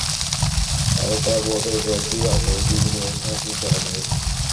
而德国杯则需要从第一轮开始角逐。